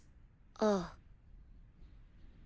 ああ。